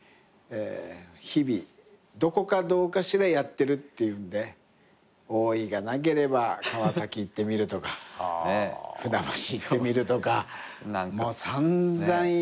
日々どこかしらやってるっていうんで大井がなければ川崎行ってみるとか船橋行ってみるとか散々やったし。